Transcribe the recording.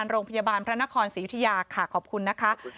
โรงพยาบาลพระนครศรียุธยาค่ะขอบคุณนะคะ